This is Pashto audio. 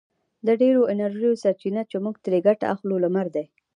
د ډېرو انرژیو سرچینه چې موږ ترې ګټه اخلو لمر دی.